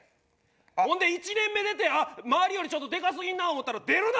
ほんで１年目出て周りよりちょっとでかすぎんな思うたら出るな！